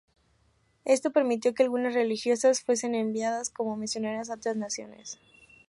Esto permitió que algunas religiosas fuesen enviadas como misioneras a otras naciones.